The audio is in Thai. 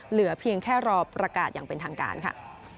เหลือเพียงแค่รอประกาศอย่างเป็นทางการค่ะ